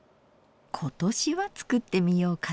今年は作ってみようかと。